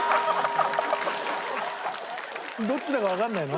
どっちだかわかんないの？